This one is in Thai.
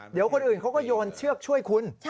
เดี๋ยวคนอื่นเขาก็โยนเชือกช่วยคุณ